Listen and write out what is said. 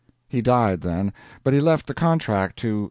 He died then; but he left the contract to Wm.